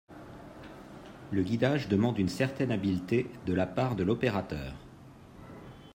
Le guidage demande une certaine habileté de la part de l'opérateur.